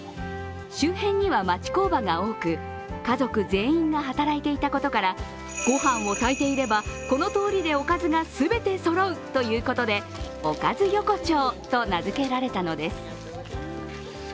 周辺には町工場が多く家族全員が働いていたことから御飯を炊いていれば、この通りでおかずが全てそろうということでおかず横丁と名付けられたのです。